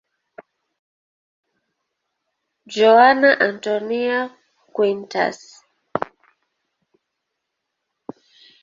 Joana Antónia Quintas.